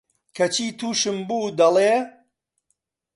کەچی تووشم بوو، دەڵێ: